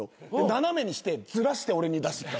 斜めにしてずらして俺に出してきた。